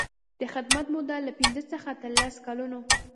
د خدمت موده له پنځه څخه تر لس کلونو.